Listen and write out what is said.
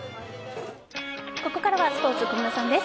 ここからはスポーツ小室さんです。